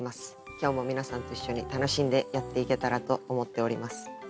今日も皆さんと一緒に楽しんでやっていけたらと思っております。